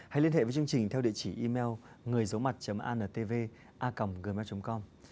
hãy liên hệ với chương trình theo địa chỉ email ngườidấumặt antv a gmail com